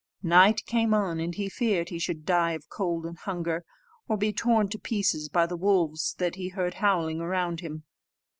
Night came on, and he feared he should die of cold and hunger, or be torn to pieces by the wolves that he heard howling round him.